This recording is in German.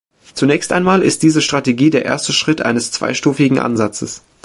Zunächst einmal ist diese Strategie der erste Schritt eines zweistufigen Ansatzes.